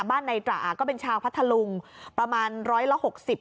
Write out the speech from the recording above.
บ้านในตราก็เป็นชาวพัทธลุงประมาณ๑๖๐อ่ะ